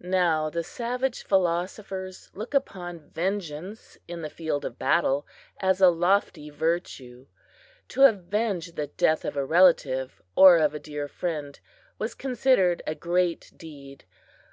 Now the savage philosophers looked upon vengeance in the field of battle as a lofty virtue. To avenge the death of a relative or of a dear friend was considered a great deed.